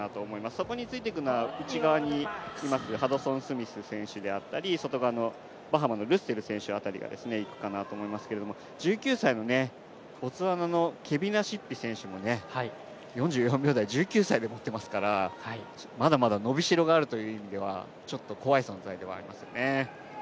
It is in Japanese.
そこについていくのは内側にいますハドソンスミス選手であったり外側のバハマのルッセル選手辺りがいくかなと思いますけど１９歳のボツワナのケビナシッピ選手も４４秒台、１９歳でとってますからまだまだ伸びしろがあるという意味では、ちょっと怖い存在ではありますね。